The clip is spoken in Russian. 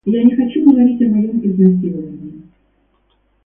Я не хочу о говорить о моём изнасиловании.